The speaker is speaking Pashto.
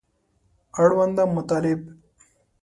اړونده مطالب